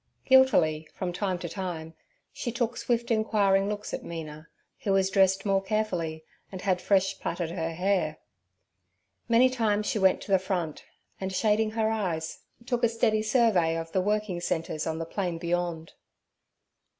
Guiltily, from time to time, she took swift inquiring looks at Mina, who was dressed more carefully, and had fresh plaited her hair. Many times she went to the front, and, shading her eyes, took a steady survey of the working centres on the plain beyond.